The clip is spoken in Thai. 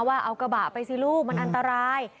ว่าเอากระบะไปสิลูกมันอันตราย